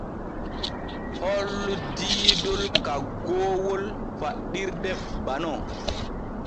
Hollu diidol kaggoowol faɗɗirde banon.